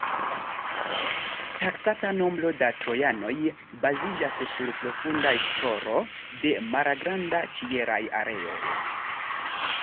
Taksata nombro da trojanoj baziĝas sur profunda esploro de malgranda ĉielaj areoj.